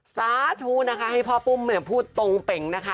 สตาร์ท๒นะคะให้พ่อปุ้มพูดตรงเป่งนะคะ